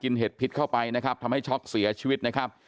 เห็ดพิษเข้าไปนะครับทำให้ช็อกเสียชีวิตนะครับ